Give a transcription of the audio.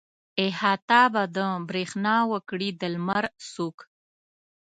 احاطه به د برېښنا وکړي د لمر څوک.